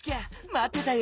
まってたよ。